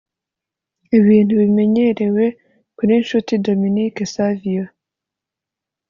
ibintu bimemyerewe kuri Nshuti Dominique Savio